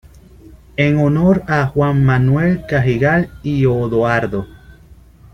En honor a Juan Manuel Cajigal y Odoardo.